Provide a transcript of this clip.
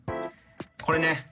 これね